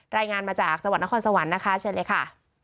รายงานมาจากจังหวัดนครสวรรค์นะคะเชิญเลยค่ะ